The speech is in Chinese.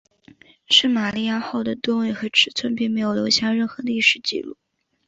圣玛利亚号的吨位和尺寸并没有留下任何历史记录。